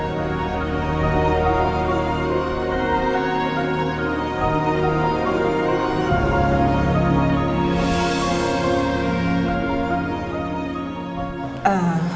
kamu juga bisa pulang